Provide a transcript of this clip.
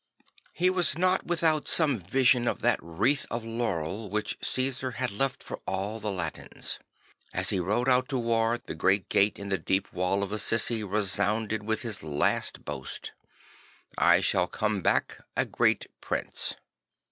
He was not without some vision of that wreath of laurel which Cæsar has left for all the Latins. As he rode out to war the great gate in the deep wall of Assisi resounded with his last boast, " I shall come back a great prince."